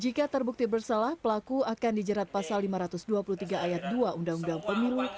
jika terbukti bersalah pelaku akan dijerat pasal lima ratus dua puluh tiga ayat dua undang undang pemilu